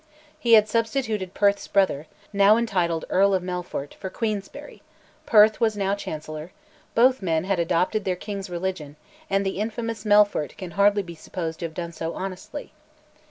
He had substituted Perth's brother, now entitled Earl of Melfort, for Queensberry; Perth was now Chancellor; both men had adopted their king's religion, and the infamous Melfort can hardly be supposed to have done so honestly.